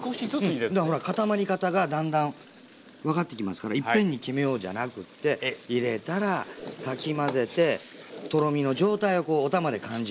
固まり方がだんだん分かってきますから「いっぺんに決めよう」じゃなくって入れたらかき混ぜてとろみの状態をこうおたまで感じる。